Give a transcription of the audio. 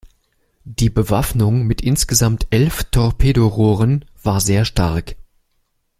Die Bewaffnung mit insgesamt elf Torpedorohren war sehr stark.